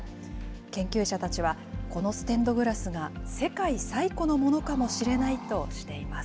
研究者たちは、このステンドグラスが世界最古のものかもしれないとしています。